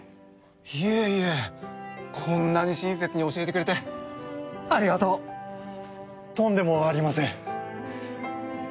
いえいえこんなに親切に教えてくれてありがとうとんでもありません